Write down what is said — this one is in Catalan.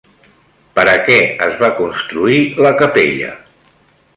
Per a què es va construir la capella?